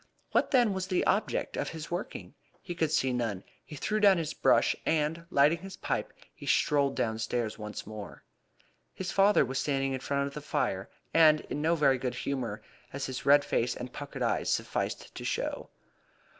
What, then, was the object of his working? He could see none. He threw down his brush, and, lighting his pipe, he strolled downstairs once more. His father was standing in front of the fire, and in no very good humour, as his red face and puckered eyes sufficed to show.